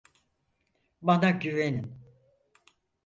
Bana güvenin.